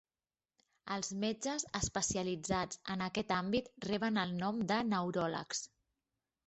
Els metges especialitzats en aquest àmbit reben el nom de neuròlegs.